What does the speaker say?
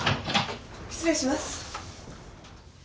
失礼します。